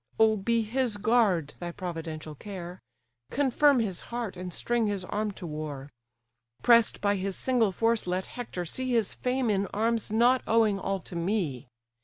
Oh! be his guard thy providential care, Confirm his heart, and string his arm to war: Press'd by his single force let Hector see His fame in arms not owing all to me.